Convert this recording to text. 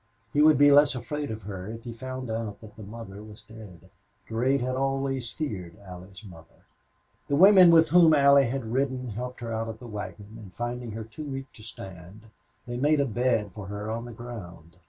He would be less afraid of her if he found out that the mother was dead. Durade had always feared Allie's mother. The women with whom Allie had ridden helped her out of the wagon, and, finding her too weak to stand, they made a bed for her on the ground.